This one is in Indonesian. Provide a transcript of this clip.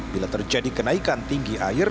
bila terjadi kenaikan tinggi air